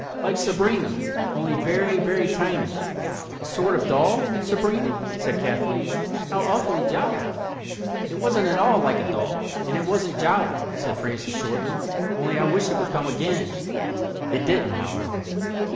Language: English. "Like Sabrina—only very, very tiny." "A sort of doll—Sabrina," said Kathleen, "how awfully jolly!" "It wasn't at all like a doll, and it wasn't jolly," said Francis shortly—"only I wish it would come again." It didn't, however.